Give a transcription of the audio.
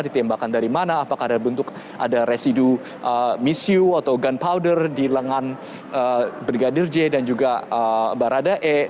dan bahkan dari mana apakah ada bentuk ada residu misiu atau gunpowder di lengan brigadir j dan juga barada e